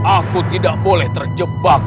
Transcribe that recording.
aku tidak boleh terjebak